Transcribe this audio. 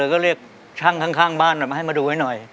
ก็เรียกช่างข้างบ้านมาให้มาดูให้หน่อย